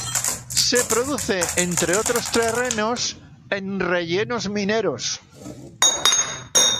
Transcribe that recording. Se produce, entre otros terrenos, en rellenos mineros.